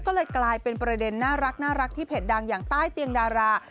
ก็เลยกลายเป็นประเด็นน่ารักที่เพจดังอย่างใต้เตียงดารา